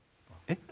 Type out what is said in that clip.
えっ？